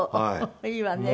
いいわね。